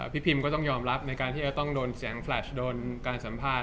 พิมก็ต้องยอมรับในการที่จะต้องโดนแสงแฟลชโดนการสัมภาษณ